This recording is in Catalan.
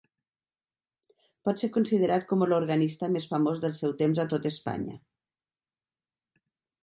Pot ser considerat com l'organista més famós del seu temps a tot Espanya.